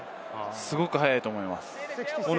すごく速いと思います。